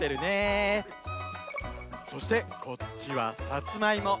そしてこっちはさつまいも。